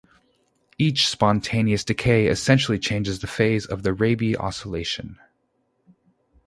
Each spontaneous decay essentially changes the phase of the Rabi oscillation.